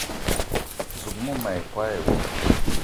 Zouk mou ma yi koo e wo